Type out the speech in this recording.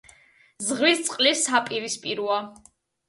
ზღვის წყლის საპირისპიროა.